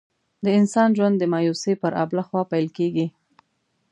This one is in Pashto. د انسان ژوند د مایوسۍ پر آبله خوا پیل کېږي.